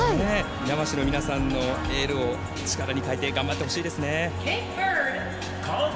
猪苗代の皆さんのエールを力に変えて頑張ってほしいですね。